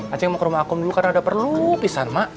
acing mau ke rumah akum dulu karena ada perlu pisah mak